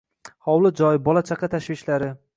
hovli-joy, bola-chaqa tashvishlari